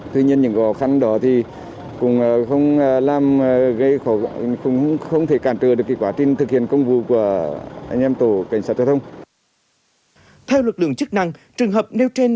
tuy nhiên những khó khăn đó cũng không thể cản trừ được quả tin thực hiện